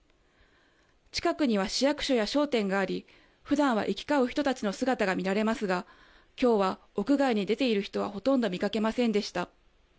近くには市役所や商店があり、ふだんは行き交う人たちの姿が見られますが、きょうは屋外に出ている人はほとんど見かけませんでした。